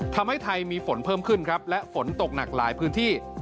ทำให้ไทยมีฝนเพิ่มขึ้นครับและฝนตกหนักหลายพื้นที่